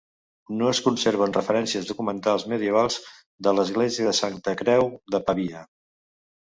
No es conserven referències documentals medievals de l'església de la Santa Creu de Pavia.